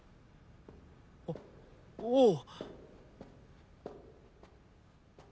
おおう！